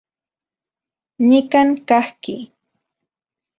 Nikan kajki.